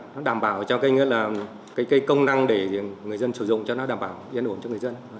nó đảm bảo cho công năng để người dân sử dụng cho nó đảm bảo yên ổn cho người dân